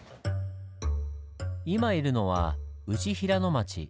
今いるのは内平野町。